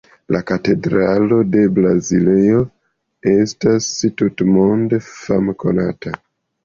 Lia Katedralo de Braziljo estas tutmonde famkonata.